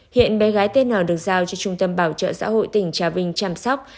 hiện bé gái tn được giao cho trung tâm bảo trợ xã hội tỉnh trà vinh chăm sóc